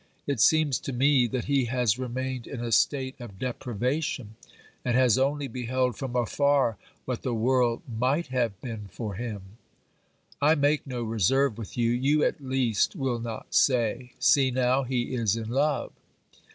It seems to me that he has remained in a state of deprivation, and has only beheld from afar what the world might have been for him. I make no reserve with you ; you at least will not say, See now, he is in love